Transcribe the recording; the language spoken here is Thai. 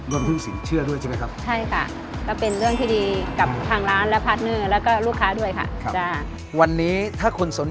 โดนพึ่งสินเชื่อด้วยใช่ไหมครับ